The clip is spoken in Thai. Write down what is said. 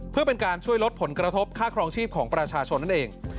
เพื่อเป็นการช่วยลดผลกระทบค่าครองชีพของประชาชนนั่นเอง